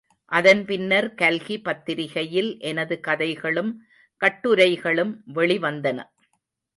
அதன் பின்னர் கல்கி பத்திரிகையில் எனது கதைகளும் கட்டுரைகளும் வெளி வந்தன.